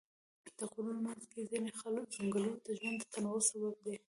د غرونو منځ کې ځینې ځنګلونه د ژوند د تنوع سبب دي.